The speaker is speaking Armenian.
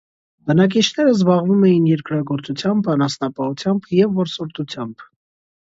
Բնակիչները զբաղվում էին երկրագործությամբ, անասնապահությամբ և որսորդությամբ։